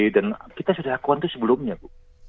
dan kita sudah lakukan itu sebelumnya bu